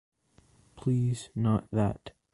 Please, not that.